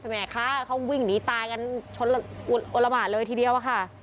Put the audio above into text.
เขาวิ่งอย่างงี้ตายกันช้นอุระหมาเลยทีเดียวอ่ะค่ะ